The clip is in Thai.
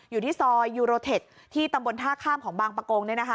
อยู่ที่ซอยยูโรเทคที่ตำบลท่าข้ามของบางประกง